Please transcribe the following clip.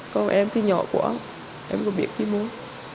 còn em thì nhỏ quá em có biết gì muốn